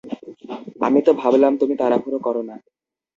আমি তো ভাবলাম তুমি তাড়াহুড়ো করো না।